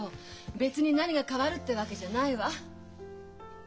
別に何が変わるってわけじゃないわ。